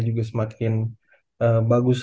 juga semakin ee bagus